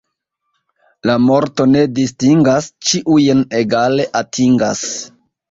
La morto ne distingas, ĉiujn egale atingas.